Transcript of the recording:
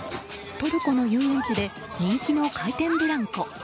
トルコの遊園地で人気の回転ブランコ。